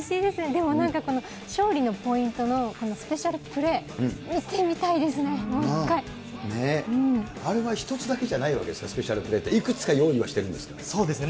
でもなんか、勝利のポイントのスペシャルプレー、見てみたいですね、もう１回。あれは１つだけじゃないわけですか、スペシャルプレーって、そうですね。